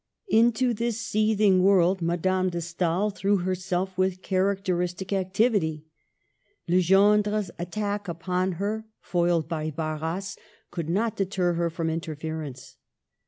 Into this seething world Madame de Stael threw herself with characteristic activity. Le gendre's attack upon her, foiled by Barras, could not deter her from interference.